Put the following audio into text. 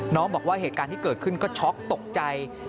บอกว่าเหตุการณ์ที่เกิดขึ้นก็ช็อกตกใจ